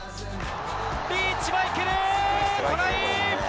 リーチマイケル、トライ。